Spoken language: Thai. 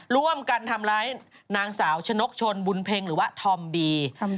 ร่วมกันทำร้ายนางสาวชนกชนบุญเพ็งหรือว่าธอมบี